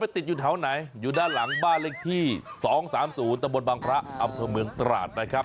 ติดอยู่เถอะไหนด้านหลังบ้านเลขที่๒๓๐ตบพระอำเติบเมืองตราด